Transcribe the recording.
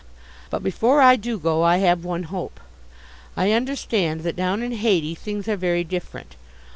But before I do go, I have one hope. I understand that down in Hayti things are very different.